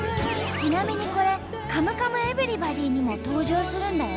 ちなみにこれ「カムカムエヴリバディ」にも登場するんだよ。